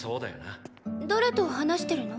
誰と話してるの？